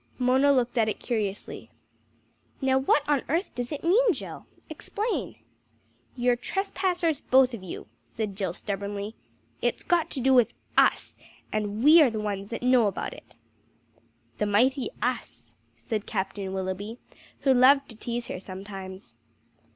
Mona looked at it curiously. "Now what on earth does it mean, Jill? Explain." "You're trespassers both of you," said Jill stubbornly. "It's got to do with us, and we are the ones that know about it." "The mighty US!" said Captain Willoughby, who loved to tease her sometimes.